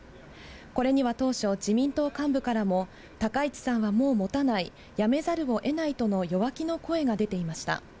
これには当初、自民党幹部からも、高市さんはもうもたない、辞めざるをえないとの弱気の声が出ていました。